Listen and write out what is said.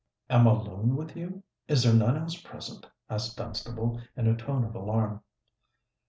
"Am alone with you?—is there none else present?" asked Dunstable, in a tone of alarm.